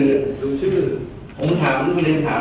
เขากระลำตะแหล่งว่าเราก็เหมือนกัน